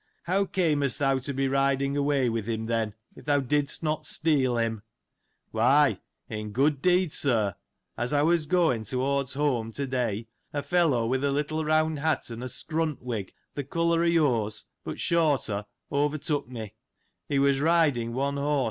How camest thou to be riding away with him then, if thou didst not steal him ? Why, in good deed, sir, as I was going towards home, to day, a fellow with a little round hat, and a scrunt wig, th' colour of your's, but shorter, overtook me ; he was riding one horse, and led another.